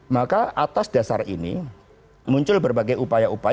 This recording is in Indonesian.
maka atas dasar ini muncul berbagai upaya upaya